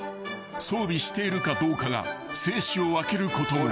［装備しているかどうかが生死を分けることもある］